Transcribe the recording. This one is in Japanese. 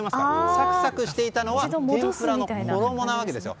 サクサクしていたのは天ぷらの衣なんですよ。